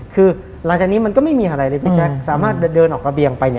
คือหลังจากนี้มันก็ไม่มีอะไรเลยสามารถเดินออกกระเบียงไป